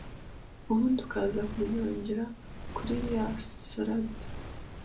ubundi ukaza kuryongera kuri ya Salade